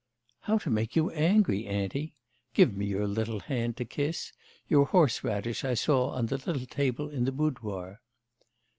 'How make you angry, auntie? Give me your little hand to kiss. Your horse radish I saw on the little table in the boudoir.